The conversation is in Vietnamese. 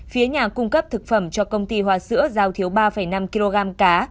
phía nhà cung cấp thực phẩm cho công ty hoa sữa giao thiếu ba năm kg cá